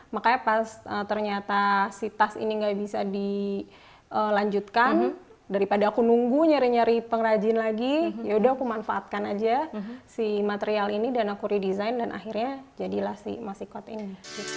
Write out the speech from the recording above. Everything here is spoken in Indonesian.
makanya pas ternyata si tas ini gak bisa dilanjutkan daripada aku nunggu nyari nyari pengrajin lagi yaudah aku manfaatkan aja si material ini dan aku redesign dan akhirnya jadilah si masikot ini